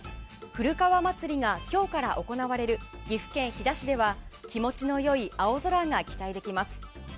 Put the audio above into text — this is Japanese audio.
古川祭が今日から行われる岐阜県飛騨市では気持ちの良い青空が期待できます。